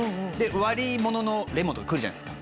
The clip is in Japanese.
割り物のレモンとかくるじゃないですか